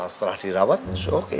setelah dirawat oke